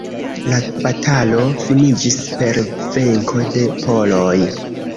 La batalo finiĝis per venko de poloj.